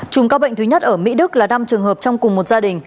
chùng ca bệnh thứ nhất ở mỹ đức là năm trường hợp trong cùng một gia đình